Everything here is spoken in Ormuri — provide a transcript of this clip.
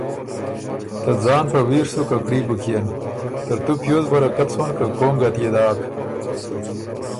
ته ځان په ویر سُو ککړي بُک يېن، ترتُو پیوز برکت سُون که کونګه تيې داک،